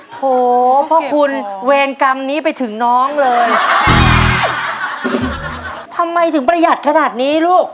โหพ่อคุณเวรกรรมนี้ไปถึงน้องเลยทำไมถึงประหยัดขนาดนี้ลูก